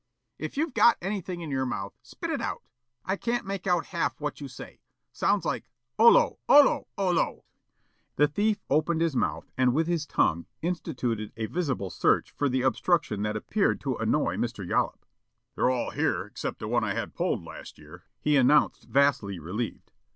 "If you've got anything in your mouth, spit it out. I can't make out half what you say. Sounds like 'ollo ollo ollo'!" The thief opened his mouth and with his tongue instituted a visible search for the obstruction that appeared to annoy Mr. Yollop. "They're all here except the one I had pulled last year," he announced vastly relieved.